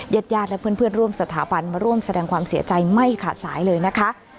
ญาติญาติและเพื่อนร่วมสถาบันมาร่วมแสดงความเสียใจไม่ขาดสายเลยนะคะ